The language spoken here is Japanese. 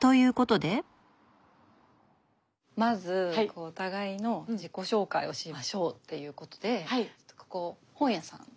まずお互いの自己紹介をしましょうということでここ本屋さんで制限時間５分で。